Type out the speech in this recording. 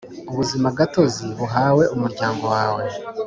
Ubuzimagatozi buhawe umuryango wawe